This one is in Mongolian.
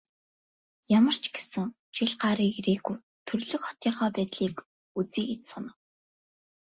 Ямар ч гэсэн жил гаран ирээгүй төрөлх хотынхоо байдлыг үзье гэж санав.